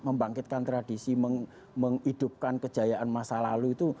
membangkitkan tradisi menghidupkan kejayaan masa lalu itu